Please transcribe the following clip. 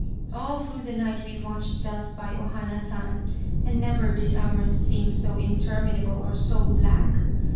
" All through the night we watched thus by O Hana San, and never did hours seem so interminable or so black.